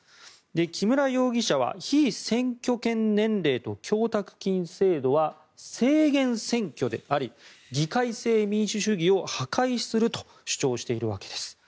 木村容疑者は被選挙権年齢と供託金制度は制限選挙であり議会制民主主義を破壊すると主張しているわけです。